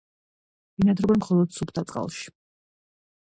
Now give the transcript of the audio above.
ბინადრობენ მხოლოდ სუფთა წყალში.